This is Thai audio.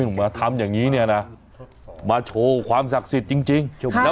เหนื่อยมาทำอย่างนี้นะมาโชว์ความศักดิ์สิทธิ์จริง